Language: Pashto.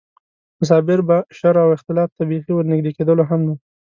خو صابر به شر او اختلاف ته بېخي ور نږدې کېدلو هم نه.